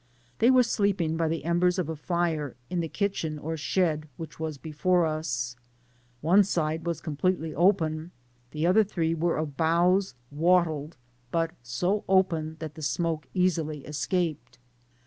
They were sleeping by the embers of a fire, in the kitchen or shed which was before us. One side was completely open, the other three were of boughs wattled, but so open that the smoke easily escaped.